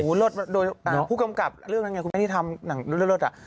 โอ้โหรสผู้กำกับเรื่องนั้นไงคุณแม่ที่ทำหนังโรดอ่ะ